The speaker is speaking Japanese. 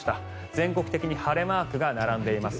全国的に晴れマークが並んでいます。